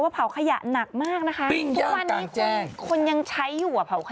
ให้เป็นพี่หนุ่มอย่างงี้ครับ